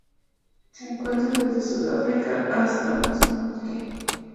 Se encuentra desde Sudáfrica hasta Mozambique.